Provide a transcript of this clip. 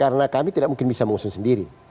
karena kami tidak mungkin bisa mengusung sendiri